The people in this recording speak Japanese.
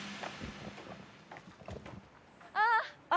ああ！